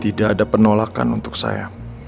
tidak ada penolakan untuk saya